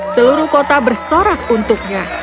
seluruh kota bersorak untuknya